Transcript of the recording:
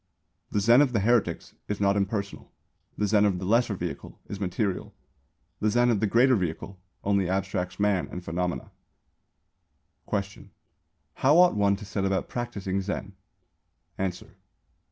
_ The Zen of the heretics is not impersonal. The Zen of the Lesser Vehicle is material. The Zen of the Greater Vehicle only abstracts man and phenomena. Question. How ought one to set about practising Zen? _Answer.